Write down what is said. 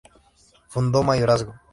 Fundó mayorazgo.